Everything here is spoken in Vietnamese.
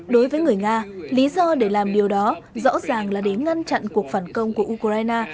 đối với người nga lý do để làm điều đó rõ ràng là để ngăn chặn cuộc phản công của ukraine